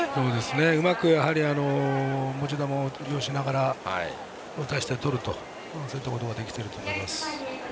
うまく持ち球を利用しながら打たせてとるということがそういったことができてると思います。